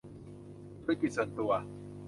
ธุรกิจส่วนตัว